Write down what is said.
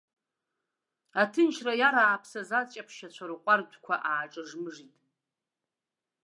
Аҭынчра иарааԥсаз аҷаԥшьацәа рҟәардәқәа ааҿыжмыжит.